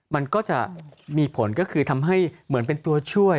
มันก็จะมีผลก็คือทำให้เหมือนเป็นตัวช่วย